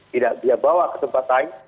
tidak dia bawa ke tempat lain